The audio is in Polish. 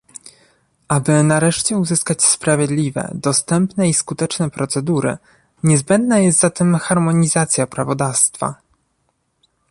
Aby nareszcie uzyskać sprawiedliwe, dostępne i skuteczne procedury, niezbędna jest zatem harmonizacja prawodawstwa